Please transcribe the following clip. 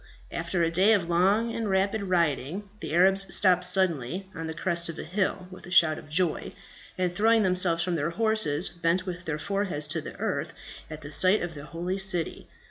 After a day of long and rapid riding, the Arabs stopped suddenly, on the crest of a hill, with a shout of joy, and throwing themselves from their horses, bent with their foreheads to the earth at the sight of their holy city.